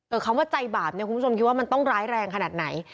คำว่าใจบาปเนี่ยคุณผู้ชมคิดว่ามันต้องร้ายแรงขนาดไหน